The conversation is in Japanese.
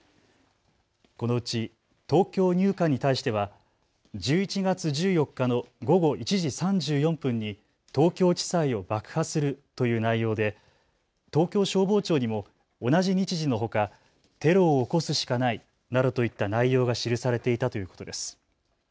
このうち東京入管に対しては１１月１４日の午後１時３４分に東京地裁を爆破するという内容で東京消防庁にも同じ日時のほかテロを起こすしかないなどといった内容が記されていたということです。